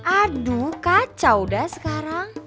aduh kacau dah sekarang